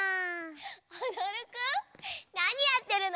おどるくんなにやってるの？